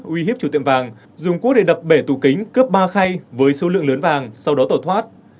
uy hiếp chủ tiệm vàng dùng quốc để đập bể tủ kính cướp ba khay với số lượng lớn vàng sau đó tổ thoát